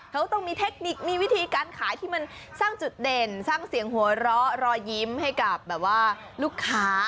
เขาต้องมีเทคนิคมีวิธีการขายที่มันสร้างจุดเด่นสร้างเสียงหัวเราะรอยยิ้มให้กับแบบว่าลูกค้า